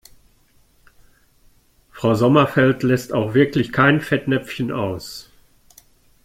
Frau Sommerfeld lässt auch wirklich kein Fettnäpfchen aus.